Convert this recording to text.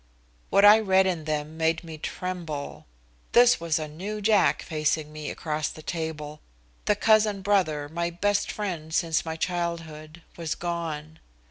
What I read in them made me tremble. This was a new Jack facing me across the table. The cousin brother, my best friend since my childhood, was gone.